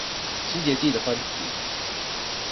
清潔劑的分子